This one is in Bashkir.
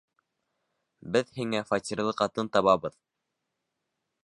Беҙ һиңә фатирлы ҡатын табабыҙ.